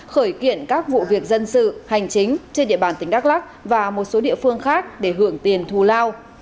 khởi kiện các vụ việc dân sự hành chính trên địa bàn tỉnh đắk lắc và một số địa phương khác để hưởng tiền thù lao